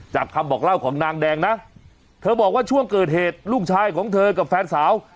คำบอกเล่าของนางแดงนะเธอบอกว่าช่วงเกิดเหตุลูกชายของเธอกับแฟนสาว